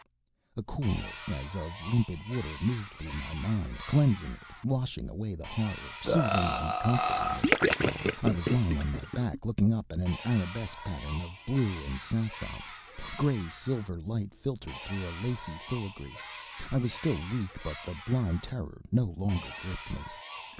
A coolness as of limpid water moved through my mind, cleansing it, washing away the horror, soothing and comforting me. I was lying on my back looking up at an arabesque pattern of blue and saffron; gray silver light filtered through a lacy, filigree. I was still weak but the blind terror no longer gripped me.